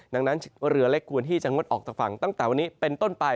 ดังนั้นเรือเล็กควรที่จะงดออกจากฝั่งตั้งแต่วันนี้เป็นต้นไป